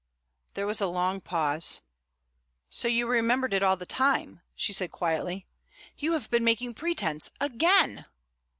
There was a long pause. "So you remembered it all the time," she said quietly. "You have been making pretence again!"